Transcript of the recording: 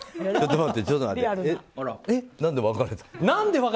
何で？